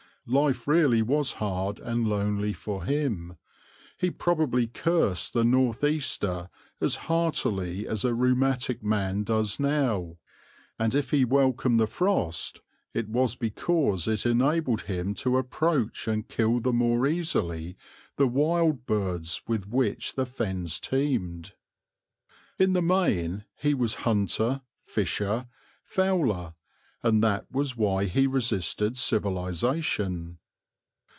Life really was hard and lonely for him. He probably cursed the north easter as heartily as a rheumatic man does now, and if he welcomed the frost it was because it enabled him to approach and kill the more easily the wild birds with which the Fens teemed. In the main he was hunter, fisher, fowler, and that was why he resisted civilization.